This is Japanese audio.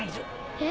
えっ？